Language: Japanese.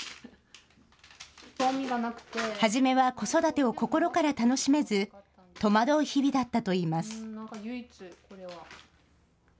初めは子育てを心から楽しめず戸惑う日々だったといいます。